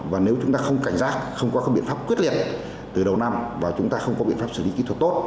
và nếu chúng ta không cảnh giác không có các biện pháp quyết liệt từ đầu năm và chúng ta không có biện pháp xử lý kỹ thuật tốt